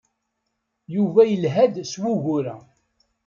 Yuba yelha-d s wugur-a.